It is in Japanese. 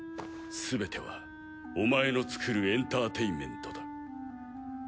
すべてはお前の作るエンターテインメントだ。